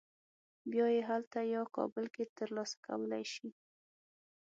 بیا یې هلته یا کابل کې تر لاسه کولی شې.